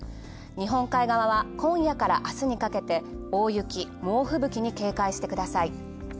日本海側は、今夜からあすにかけて大雪、猛吹雪に警戒してください。